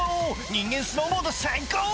人間スノーボード最高！」